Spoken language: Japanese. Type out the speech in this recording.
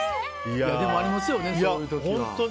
でも、ありますよね